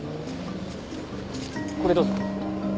これどうぞ。